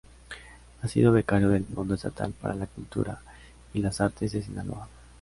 Ha sido becario del Fondo Estatal para la Cultura y las Artes de Sinaloa.